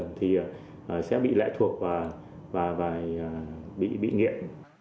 và sẽ bị lẽ thuộc và bị nghiện